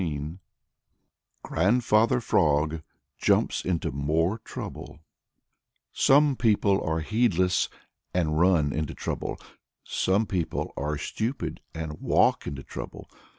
XIX GRANDFATHER FROG JUMPS INTO MORE TROUBLE Some people are heedless and run into trouble. Some people are stupid and walk into trouble.